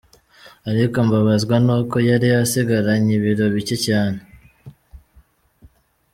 Ariko mbabazwa n’uko yari asigaranye ibiro bike cyane.